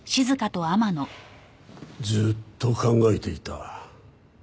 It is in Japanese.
ずっと考えていた。